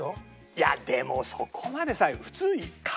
いやでもそこまでさ。